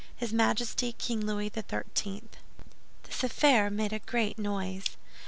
HIS MAJESTY KING LOUIS XIII. This affair made a great noise. M.